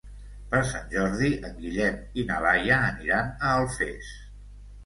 Per Sant Jordi en Guillem i na Laia aniran a Alfés.